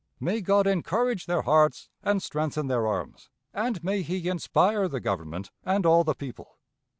May God encourage their hearts and strengthen their arms, and may he inspire the Government and all the people!